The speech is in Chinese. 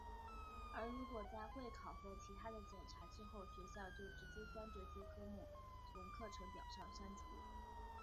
而如果在会考或其它的检查之后学校就直接将这些科目从课程表上删除。